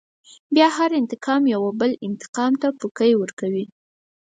بيا هر انتقام يوه بل انتقام ته پوکی ورکوي.